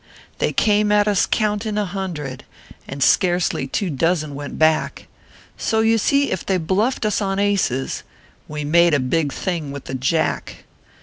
They came at us counting a hundred, And scarcely two dozen went back ; So you see, if they bluffed us on aces, We made a big thing with the Jack.